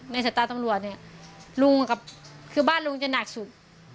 ในสัตว์ต้องรวจเนี่ยลุงกับคือบ้านลุงจะหนักสุด